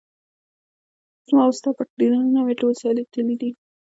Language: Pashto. زما وستا پټ دیدنونه مې ټول ساتلي دي